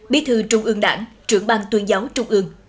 bí thư trung ương đảng trưởng ban tuyên giáo trung ương